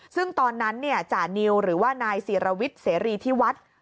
ซึ่งตอนนั้นจานิวหรือว่านายศิรวิทย์เสรีที่วัด